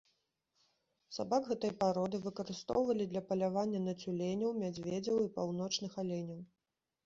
Сабак гэтай пароды выкарыстоўвалі для палявання на цюленяў, мядзведзяў і паўночных аленяў.